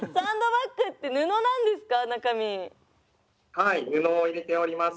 はい布を入れております。